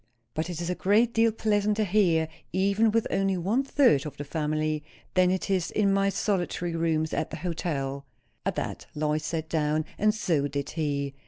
But it is a great deal pleasanter here, even with only one third of the family, than it is in my solitary rooms at the hotel." At that Lois sat down, and so did he.